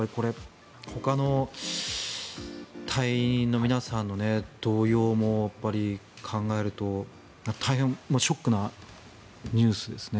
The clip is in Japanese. ほかの隊員の皆さんの動揺も考えると大変ショックなニュースですね。